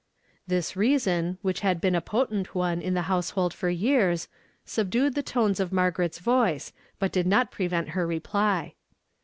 This reason, which had been a potent one in the household for years, subdued tlie tones of Marga ret's voice, but did not prevent her reply.